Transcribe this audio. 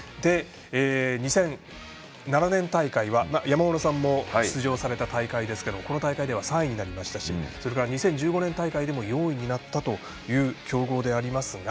２００７年大会は、山村さんも出場された大会ですがこの大会では３位になりましたしそれから２０１５年大会でも４位になったという強豪でありますが。